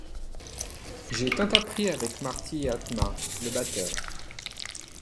J'ai tant appris avec Marty et Atma, le batteur.